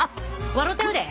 笑うてるで。